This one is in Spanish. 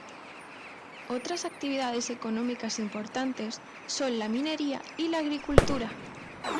Otras actividades económicas importantes son la minería y la agricultura.